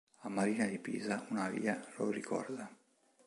A Marina di Pisa una via lo ricorda.